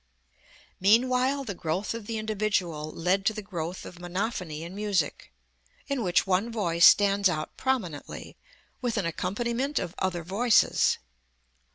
Meanwhile the growth of the individual led to the growth of monophony in music, in which one voice stands out prominently, with an accompaniment of other voices.